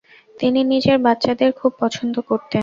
তিনি নিজের বাচ্চাদের খুব পছন্দ করতেন।